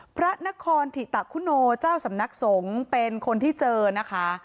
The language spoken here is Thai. พระนครธิตะคุโนเจ้าสำนักสงฆ์เป็นคนที่เจอนะคะ